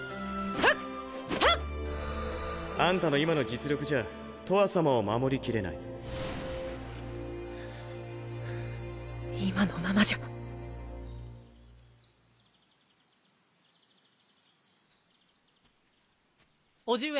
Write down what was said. ハッ！あんたの今の実力じゃとわさまを護りきれ今のままじゃ叔父上。